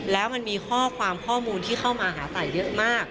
แล้วมันมีข้อความข้อมูลที่เข้ามาหาไต่เยอะมาก